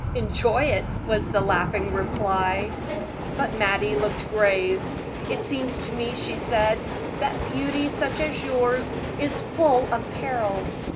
"Enjoy it," was the laughing reply. But Mattie looked grave. "It seems to me," she said, "that beauty such as yours is full of peril."